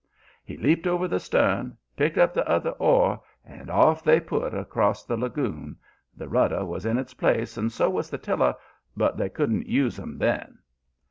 He leaped over the stern, picked up the other oar, and off they put across the lagoon. The rudder was in its place and so was the tiller, but they couldn't use 'em then.